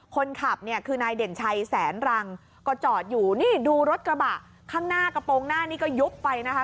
คนขับเนี่ยคือนายเด่นชัยแสนรังก็จอดอยู่นี่ดูรถกระบะข้างหน้ากระโปรงหน้านี้ก็ยุบไปนะคะ